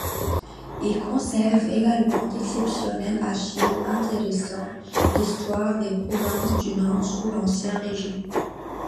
Il conserve également d'exceptionnelles archives intéressant l'histoire des provinces du Nord sous l'Ancien Régime.